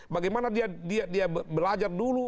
bagaimana dia belajar dulu